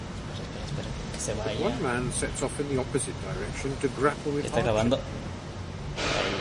But one man sets off in the opposite direction to grapple with hardship.